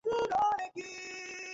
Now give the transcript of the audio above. বাড়ির সাথে একবারে বেচে দিবো।